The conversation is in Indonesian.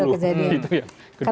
iya udah kejadian